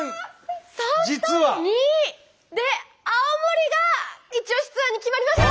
３対２で青森がイチオシツアーに決まりました！